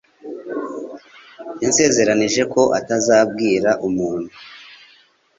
Yansezeranije ko atazabwira umuntu